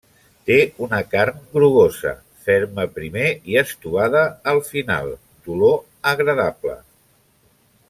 Té una carn grogosa, ferma primer i estovada al final, d'olor agradable.